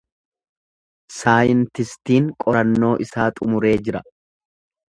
Saayintistiin qorannoo isaa xumuree jira.